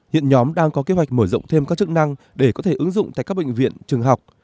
hiện nhóm đang có kế hoạch mở rộng thêm các chức năng để có thể ứng dụng tại các bệnh viện trường học